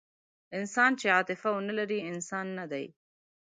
انسان چې عاطفه ونهلري، انسان نهدی.